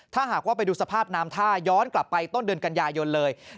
ถ้าหากว่าไปดูสภาพน้ำท่าย้อนกลับไปต้นเดือนกันยายนเลย